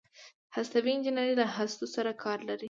هستوي انجنیری له هستو سره کار لري.